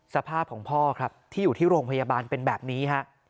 สภาพของพ่อครับที่อยู่ที่โรงพยาบาลเป็นแบบนี้ฮะ